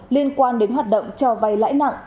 liên quan đến hoạt động cho vay lãi nặng